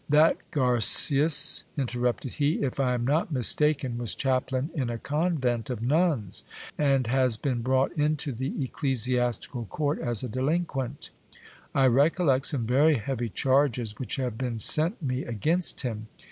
That Garcias, interrupted he, if I am not mistaken, was chaplain in a convent of nuns, and has been brought into the ecclesiastical court as a delinquent. I recollect some very heavy charges which have been sent me against him.